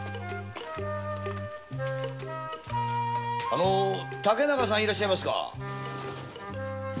あの竹中さんいらっしゃいますか？